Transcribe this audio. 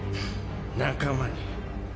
仲間に。